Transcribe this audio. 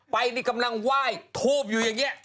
ไปกำลังว่ายทูพอยู่อย่างเงี้ย